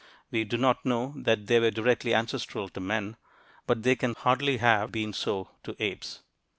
We do not know that they were directly ancestral to men but they can hardly have been so to apes.